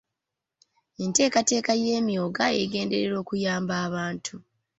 Enteekateeka y'Emyooga egenderera okuyamba abantu .